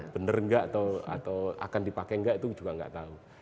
bener enggak atau akan dipakai enggak itu juga enggak tahu